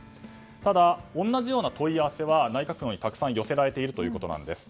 ただ同じような問い合わせは内閣府のほうにたくさん寄せられているということです。